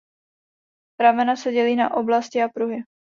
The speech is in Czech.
Ramena se dělí na oblasti a pruhy.